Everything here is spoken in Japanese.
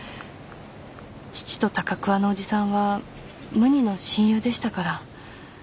父と高桑のおじさんは無二の親友でしたから。